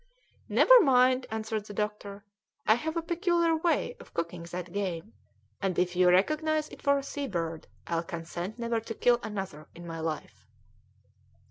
"Never mind!" answered the doctor, "I have a peculiar way of cooking that game, and if you recognise it for a sea bird I'll consent never to kill another in my life."